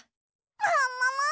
ももも！